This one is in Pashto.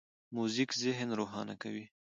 موزیک ذهن روښانه کوي.